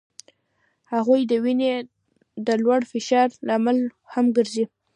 هغوی د وینې د لوړ فشار لامل هم ګرځي.